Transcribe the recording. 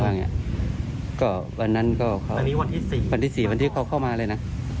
นี่วันที่สี่มันที่เขาเข้ามาเลยนะ